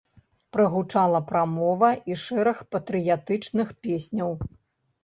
Прагучала прамова і шэраг патрыятычных песняў.